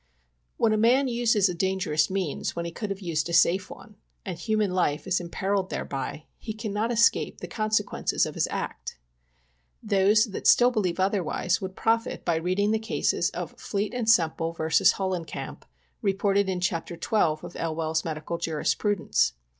When a man uses a dangerous means when he could have used a safe one, and human life is imperilled thereby, he cannot escape the consequences of his act. Those that still believe otherwise would profit by reading the cases of Fleet and Semple v. Hollencamp, reported in chapter XII. of Elwell's Medical Jurisprudence.